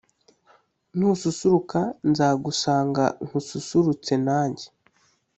Nususuruka nzagusanga nkusurutse nanjye